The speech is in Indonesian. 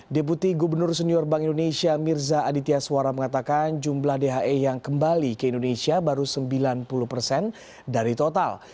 deputi gubernur senior bank indonesia mirza aditya suara mengatakan jumlah dhe yang kembali ke indonesia baru sembilan puluh persen dari total